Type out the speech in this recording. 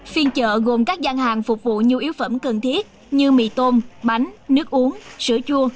phiên chợ gồm các gian hàng phục vụ nhu yếu phẩm cần thiết như mì tôm bánh nước uống sữa chua